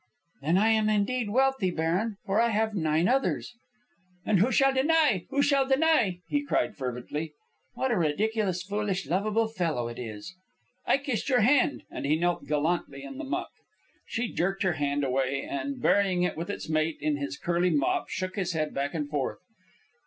"Then I am indeed wealthy, baron; for I have nine others." "And who shall deny? who shall deny?" he cried, fervently. "What a ridiculous, foolish, lovable fellow it is!" "I kiss your hand." And he knelt gallantly in the muck. She jerked her hand away, and, burying it with its mate in his curly mop, shook his head back and forth.